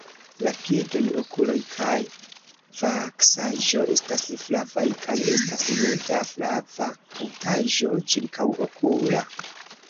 La piedoj, okuloj kaj vaksaĵo estas flavaj kaj estas nuda flava haŭtaĵo ĉirkaŭokula.